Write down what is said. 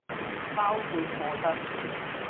包括課室